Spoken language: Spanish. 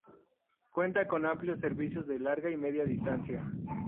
Cuenta con amplios servicios de larga y media distancia.